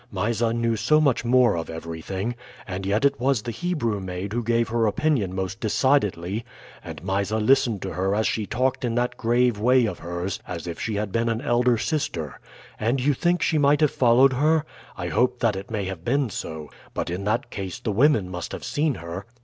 Mysa knew so much more of everything; and yet it was the Hebrew maid who gave her opinion most decidedly, and Mysa listened to her as she talked in that grave way of hers as if she had been an elder sister. And you think she might have followed her? I hope that it may have been so. But in that case the women must have seen her."